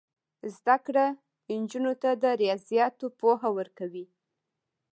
زده کړه نجونو ته د ریاضیاتو پوهه ورکوي.